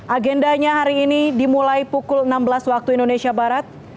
agendanya hari ini dimulai pukul enam belas waktu indonesia barat